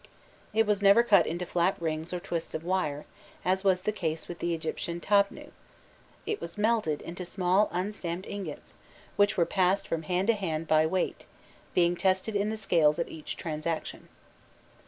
It was never cut into flat rings or twists of wire, as was the case with the Egyptian "tabnu;" it was melted into small unstamped ingots, which were passed from hand to hand by weight, being tested in the scales at each transaction.